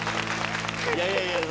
いやいやいやいや。